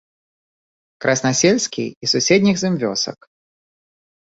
Краснасельскі і суседніх з ім вёсак.